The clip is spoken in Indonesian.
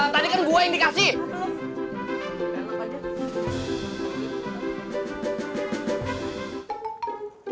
tadi kan gue yang dikasih